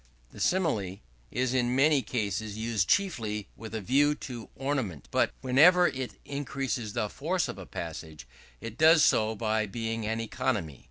The Simile is in many cases used chiefly with a view to ornament, but whenever it increases the force of a passage, it does so by being an economy.